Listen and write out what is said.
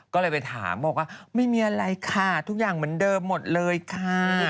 ก็เลยไปถามบอกว่าไม่มีอะไรค่ะทุกอย่างเหมือนเดิมหมดเลยค่ะ